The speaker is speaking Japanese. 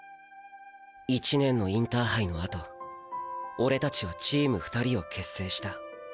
１年のインターハイのあとオレたちはチーム２人を結成した。